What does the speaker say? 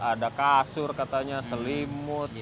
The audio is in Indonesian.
ada kasur katanya selimut